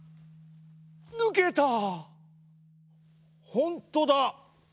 ほんとだ！